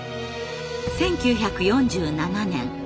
１９４７年。